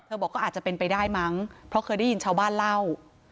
บอกก็อาจจะเป็นไปได้มั้งเพราะเคยได้ยินชาวบ้านเล่า